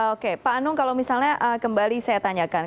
oke pak anung kalau misalnya kembali saya tanyakan